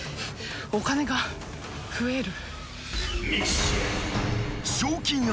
お金が増える。